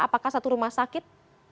apakah satu rumah sakit